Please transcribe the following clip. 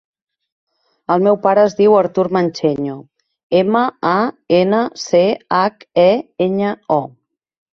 El meu pare es diu Artur Mancheño: ema, a, ena, ce, hac, e, enya, o.